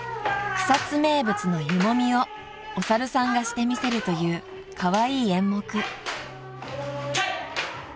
［草津名物の湯もみをお猿さんがしてみせるというカワイイ演目］